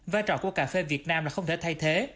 vai trò của cà phê việt nam là không thể thay thế